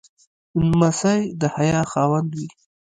لمسی د حیا خاوند وي.